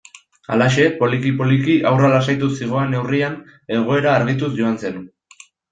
Halaxe, poliki-poliki haurra lasaituz zihoan neurrian, egoera argituz joan zen.